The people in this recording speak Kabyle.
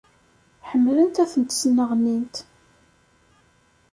ḥemmlent ad tent-sneɣnint.